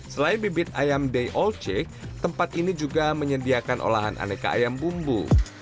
selain bibit ayam day all check tempat ini juga menyediakan olahan aneka ayam bumbu